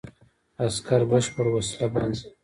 عسکر بشپړ وسله بند وو.